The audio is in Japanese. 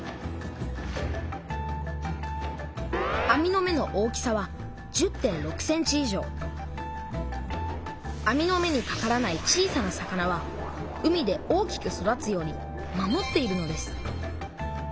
網の目の大きさは網の目にかからない小さな魚は海で大きく育つように守っているのです。